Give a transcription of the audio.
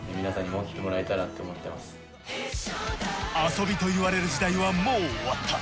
遊びと言われる時代はもう終わった。